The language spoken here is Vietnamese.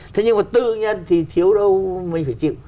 thế nhưng mà tư nhân thì thiếu đâu mình phải chịu